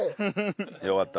よかった。